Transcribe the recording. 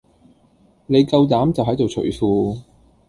你夠膽就喺度除褲